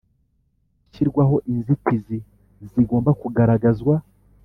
gushyirwaho inzitizi zigomba kugaragazwa